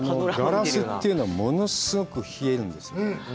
ガラスというのは、物すごく冷えるんですよ。